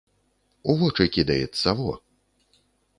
У вочы кідаецца, во!